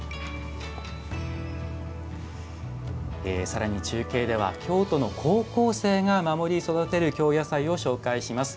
さらに、中継では京都の高校生が守り育てる京野菜を紹介します。